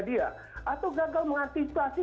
dia atau gagal mengantisipasi